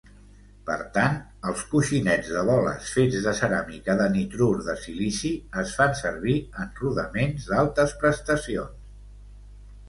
Per tant, els coixinets de boles fets de ceràmica de nitrur de silici es fan servir en rodaments d'altes prestacions.